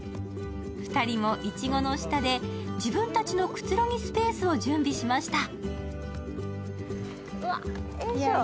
２人も、いちごの下で自分たちのくつろぎスペースを準備しました。